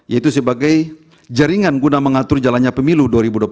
yaitu sebagai jaringan guna mengatur jalannya pemilu dua ribu dua puluh empat